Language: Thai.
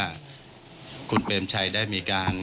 คุณผู้ชมภาคุณเปรมชัยได้มีตัวหน่อย